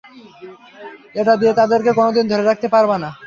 এটা দিয়ে তাদেরকে কোনদিন ধরতে পারব না।